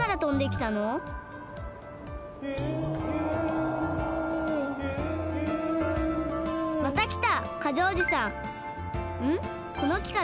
きたきた！